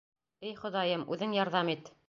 Эй, Хоҙайым, үҙең ярҙам ит!